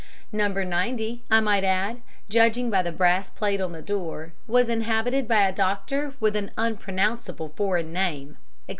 No. 90, I might add, judging by the brass plate on the door, was inhabited by a doctor with an unpronounceable foreign name," etc.